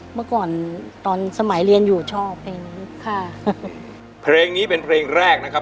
เมื่อก่อนตอนสมัยเรียนอยู่ชอบเพลงนี้ค่ะเพลงนี้เป็นเพลงแรกนะครับ